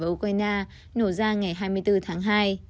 ukraine nổ ra ngày hai mươi bốn tháng hai